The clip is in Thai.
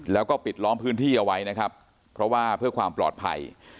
แล้วก็ปิดล้อมพื้นที่เอาไว้นะครับเพราะว่าเพื่อความปลอดภัย